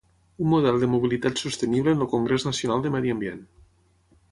Un model de mobilitat sostenible en el Congrés Nacional de Medi Ambient.